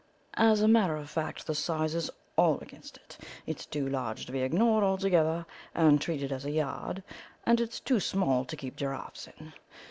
As a matter of fact, the size is all against it; it's too large to be ignored altogether and treated as a yard, and it's too small to keep giraffes in.